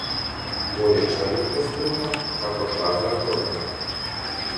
Bolje črn kos kruha, kakor prazna torba.